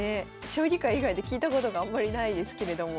将棋界以外で聞いたことがあんまりないですけれども。